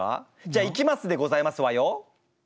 じゃあいきますでございますわよ！